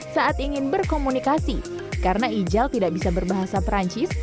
saat ingin berkomunikasi karena ijal tidak bisa berbahasa perancis